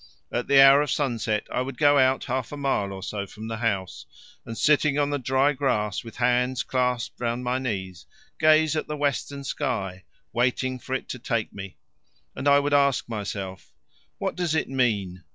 At the hour of sunset I would go out half a mile or so from the house, and sitting on the dry grass with hands clasped round my knees, gaze at the western sky, waiting for it to take me. And I would ask myself: What does it mean?